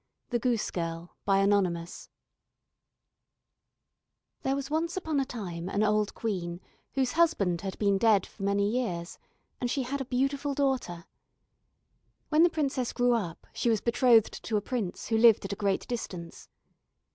THE GOOSE GIRL Anonymous There was once upon a time an old Queen whose husband had been dead for many years, and she had a beautiful daughter. When the princess grew up she was betrothed to a prince who lived at a great distance.